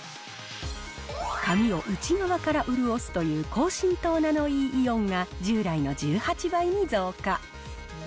髪を内側から潤すという高浸透ナノイーイオンが従来の１８倍に増加。